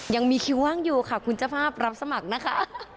ยังมีคิวว่างอยู่ค่ะคุณเจ้าภาพรับสมัครนะคะ